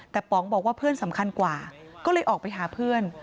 แต่ป๋องบอกว่าเพื่อนสำคัญกว่าก็เลยออกไปหาเพื่อน